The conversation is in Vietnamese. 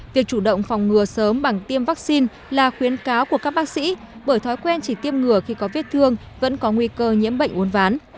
việc chủ động phòng ngừa sớm bằng tiêm vaccine là khuyến cáo của các bác sĩ bởi thói quen chỉ tiêm ngừa khi có vết thương vẫn có nguy cơ nhiễm bệnh uốn ván